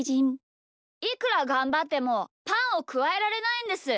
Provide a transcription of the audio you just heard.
いくらがんばってもパンをくわえられないんです！